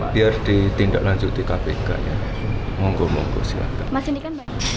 biar ditindak lanjut di kpk ya monggo monggo silahkan